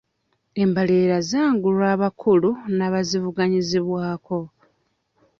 Embalirira z'angulwa abakulu n'abagivunaanyizibwako.